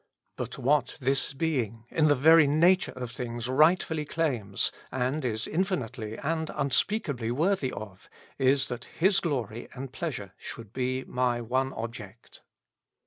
But what this Being in the very nature of things rightfully claims, and is infinitely and unspeakably worthy of, is that His glory and pleasure should be my one object.